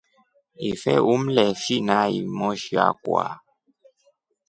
Ife umleshinai moshi wakwa.